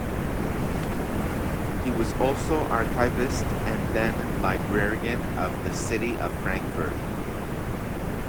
He was also archivist and then librarian of the city of Frankfurt.